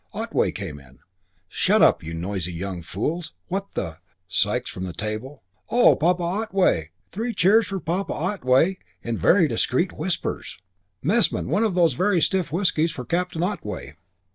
Otway came in. "Shut up, you noisy young fools. What the " Sikes from the table. "Ah, Papa Otway! Three cheers for Papa Otway in very discreet whispers. Messman, one of those very stiff whiskies for Captain Otway."